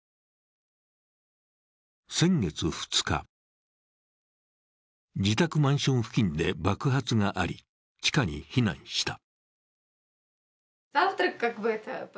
先月２日、自宅マンション付近で爆発があり、地下に避難した。